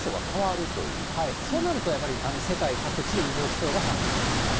そうなるとやはり、世界各地で異常気象が発生してしまう。